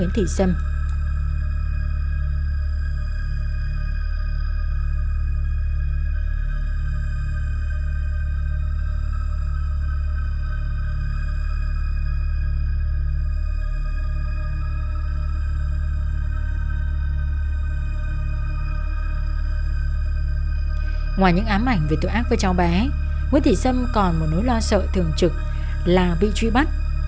ngoài những ám ảnh về tội ác với cháu bé nguyễn thị sâm còn một nỗi lo sợ thường trực là bị truy bắt